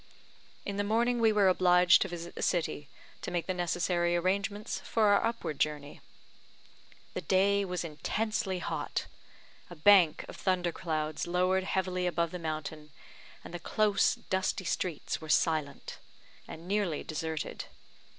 In the morning we were obliged to visit the city to make the necessary arrangements for our upward journey. The day was intensely hot. A bank of thunderclouds lowered heavily above the mountain, and the close, dusty streets were silent, and nearly deserted.